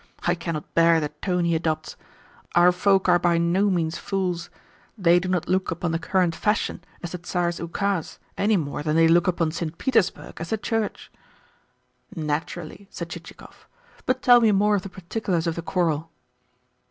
I cannot bear the tone he adopts. Our folk are by no means fools. They do not look upon the current fashion as the Tsar's ukaz any more than they look upon St. Petersburg as the Church." "Naturally," said Chichikov. "But tell me more of the particulars of the quarrel."